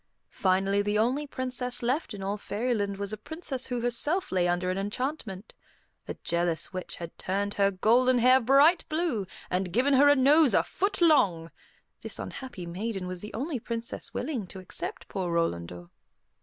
Finally the only princess left in all Fairyland was a princess who herself lay under an enchantment. A jealous witch had turned her golden hair bright blue, and given her a nose a foot long. This unhappy maiden was the only princess willing to accept poor Rolandor.